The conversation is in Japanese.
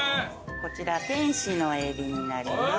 こちら天使のエビになります。